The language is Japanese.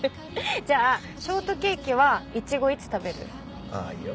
じゃあショートケーキはイチゴいつ食べる？いいよ。